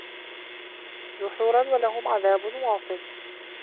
دُحورًا وَلَهُم عَذابٌ واصِبٌ